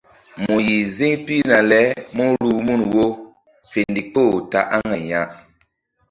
Mu yih ziŋ pihna le mú ruh mun wo fe ndikpoh ta aŋay ya.